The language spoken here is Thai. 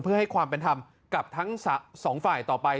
เพื่อให้ความเป็นธรรมกับทั้งสองฝ่ายต่อไป